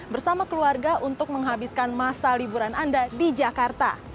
bersama keluarga untuk menghabiskan masa liburan anda di jakarta